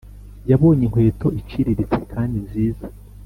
yabonye inkweto iciriritse kandi nziza